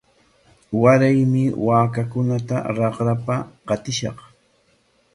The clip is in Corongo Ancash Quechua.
Waraymi waakakunata raqrapa qatishaq.